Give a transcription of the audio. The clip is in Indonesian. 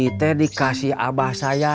ini teh dikasih abah saya